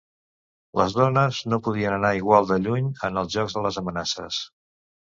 Les dones no podien anar igual de lluny en els jocs de les amenaces.